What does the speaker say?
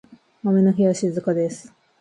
雨の日は静かです。